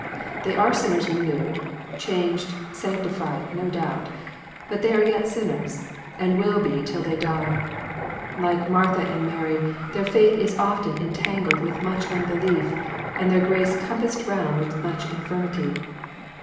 They are sinners renewed, changed, sanctified, no doubt ; but they are 3'et sinners, and will be till they die. Like Martha and Mary, their faith is often entangled with much unbelief, and their grace compassed round with much infirmity.